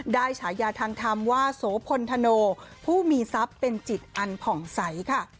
ฉายาทางธรรมว่าโสพลธโนผู้มีทรัพย์เป็นจิตอันผ่องใสค่ะ